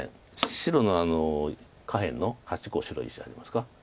白の下辺の８個白石ありますか。